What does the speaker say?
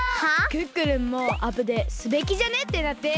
クックルンもアプデすべきじゃねってなって。